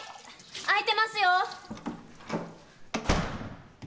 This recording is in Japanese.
開いてますよ。